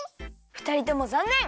ふたりともざんねん！